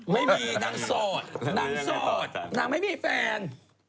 ไม่มีนางโสดนางโสดนางไม่มีแฟน